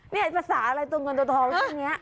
เนี่ยภาษาอะไรตัวเงินตัวทองช่วงนี้